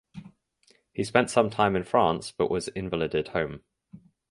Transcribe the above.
He spent some time in France but was invalided home.